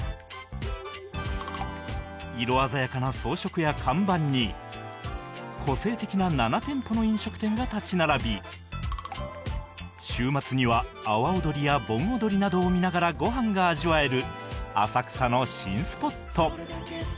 色鮮やかな装飾や看板に個性的な７店舗の飲食店が立ち並び週末には阿波踊りや盆踊りなどを見ながらご飯が味わえる浅草の新スポット